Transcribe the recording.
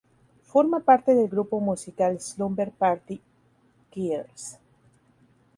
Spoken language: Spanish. Forma parte del grupo musical "Slumber Party Girls".